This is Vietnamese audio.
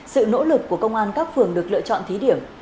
sự nỗ lực của công an các phường được lựa chọn thí điểm